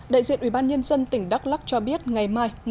đại diện ubnd tỉnh đắk lắc cho biết ngày mai